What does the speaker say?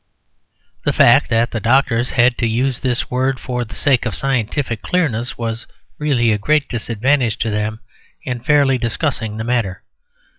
The fact that the doctors had to use this word for the sake of scientific clearness was really a great disadvantage to them in fairly discussing the matter.